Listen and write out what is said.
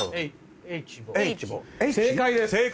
正解です。